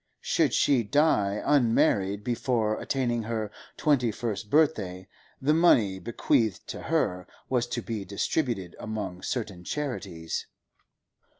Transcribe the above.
Should she die unmarried before attaining her twenty first birthday, the money bequeathed to her was to be distributed among certain charities.